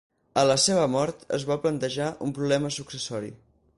A la seva mort, es va plantejar un problema successori.